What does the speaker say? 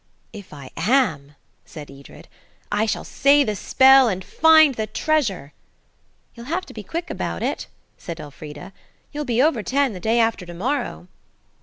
"If I am," said Edred, "I shall say the spell and find the treasure." "You'll have to be quick about it," said Elfrida. "You'll be over ten the day after to morrow."